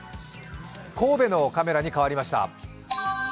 神戸のカメラに変わりました。